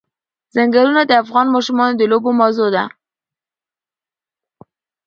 ځنګلونه د افغان ماشومانو د لوبو موضوع ده.